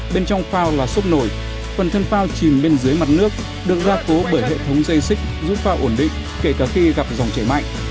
bên trong phao là sốc nổi phần thân phao chìm bên dưới mặt nước được ra cố bởi hệ thống dây xích giúp phao ổn định kể cả khi gặp dòng chảy mạnh